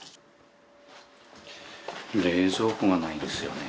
冷蔵庫がないんですよね。